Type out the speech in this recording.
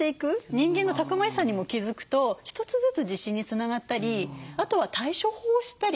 人間のたくましさにも気付くと一つずつ自信につながったりあとは対処法を知ったり。